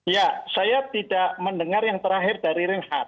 ya saya tidak mendengar yang terakhir dari reinhardt